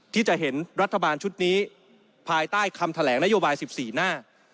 ที่จะเห็นรัฐบาลชุดนี้ภายใต้คำแถลงนโยบาย๑๔หน้า